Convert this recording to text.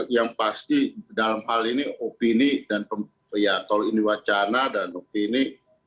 yang pasti dalam hal ini opini ya tol ini wacana dan opini